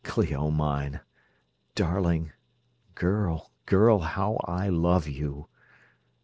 "Clio mine ... darling ... girl, girl, how I love you!"